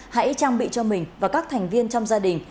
hãy trang bị cho mình và các thành viên trong gia đình